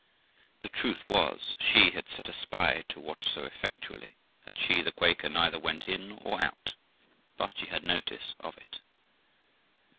The THE LIFE OF ROXANA 383 truth was, she had set a spy to watch so effectually, that she (the Quaker) neither went in or out but she had notice of it.